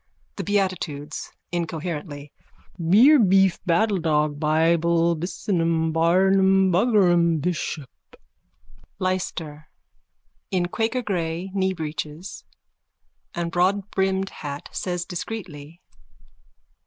_ THE BEATITUDES: (Incoherently.) Beer beef battledog buybull businum barnum buggerum bishop. LYSTER: _(In quakergrey kneebreeches and broadbrimmed hat, says discreetly.)